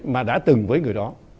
mà đã từng với người đó